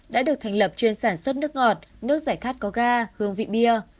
đã được thành lập chuyên sản xuất nước ngọt nước giải khát có ga hương vị bia